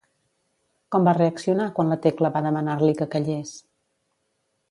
Com va reaccionar quan la Tecla va demanar-li que callés?